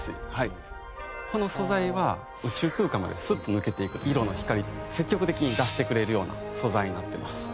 この素材は宇宙空間までスッと抜けていく色の光積極的に出してくれるような素材になってます。